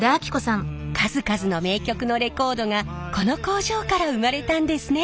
数々の名曲のレコードがこの工場から生まれたんですね。